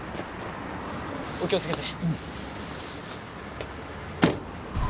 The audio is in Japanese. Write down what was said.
お気をつけて。